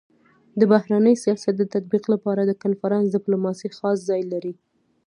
د بهرني سیاست د تطبيق لپاره د کنفرانس ډيپلوماسي خاص ځای لري.